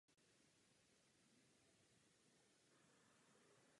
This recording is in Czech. Sbírkový fond je neustále rozšiřován.